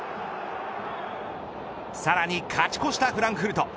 さらに勝ち越したフランクフルト。